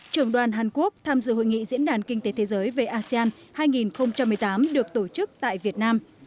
trưởng đoàn hàn quốc tham dự hội nghị diễn đàn kinh tế thế giới về asean hai nghìn một mươi tám được tổ chức tại việt nam